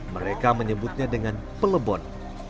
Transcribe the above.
mereka menyebutnya dengan pelebon